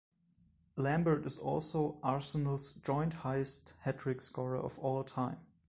Lambert is also Arsenal's joint highest hattrick scorer of all time.